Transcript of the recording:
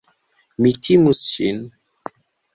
Mi timus ŝin.